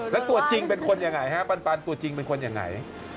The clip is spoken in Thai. แล้วตัวจริงเป็นคนยังไงฮะปันตัวจริงเป็นคนยังไง